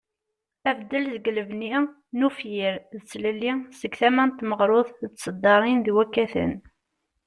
Abeddel deg lbeni n ufyir ,d tlelli seg tama n tmeɣrut d tesddarin d wakaten.